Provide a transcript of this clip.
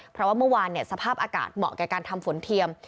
เพราะว่าเมื่อวานสภาพอากาศเหมาะแก่การทำฝนเทียม